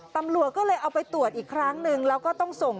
ตำรวจก็เลยเอาไปตรวจอีกครั้งนึง